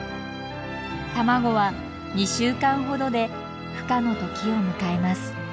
卵は２週間ほどでふ化の時を迎えます。